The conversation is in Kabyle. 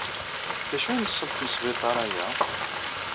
D acu i n ṣṣenf n ssbiṭaṛ aya?